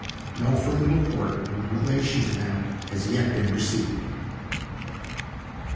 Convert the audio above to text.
No further report in relation to them has yet been received (5.)